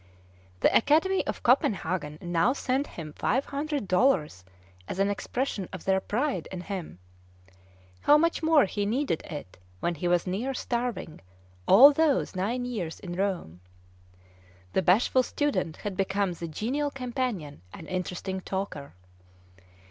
The Academy of Copenhagen now sent him five hundred dollars as an expression of their pride in him. How much more he needed it when he was near starving, all those nine years in Rome! The bashful student had become the genial companion and interesting talker.